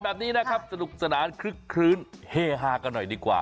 แบบนี้นะครับสนุกสนานคลึกคลื้นเฮฮากันหน่อยดีกว่า